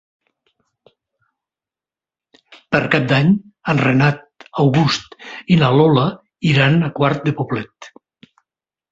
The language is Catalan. Per Cap d'Any en Renat August i na Lola iran a Quart de Poblet.